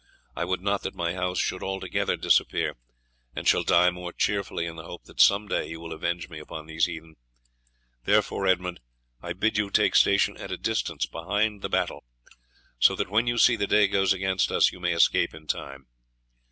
I would not that my house should altogether disappear, and shall die more cheerfully in the hope that some day you will avenge me upon these heathen. Therefore, Edmund, I bid you take station at a distance behind the battle, so that when you see the day goes against us you may escape in time.